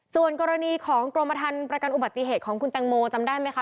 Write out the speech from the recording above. ส่วนกรณีของกรมฐานประกันอุบัติเหตุของคุณแตงโมจำได้ไหมคะ